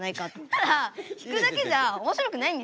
ただ弾くだけじゃおもしろくないんですよ。